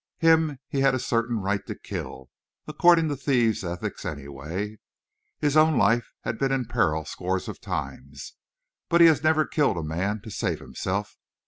Him he had a certain right to kill according to thieves' ethics, anyway. His own life has been in peril scores of times, but he has never killed a man to save himself.